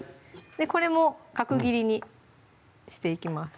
これも角切りにしていきます